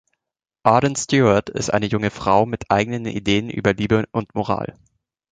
Arden Stuart ist eine junge Frau mit eigenen Ideen über Liebe und Moral.